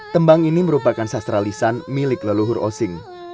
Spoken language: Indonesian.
tembang ini merupakan sastralisan milik leluhur osing